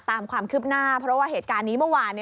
ตามความคืบหน้าเพราะว่าเหตุการณ์นี้เมื่อวาน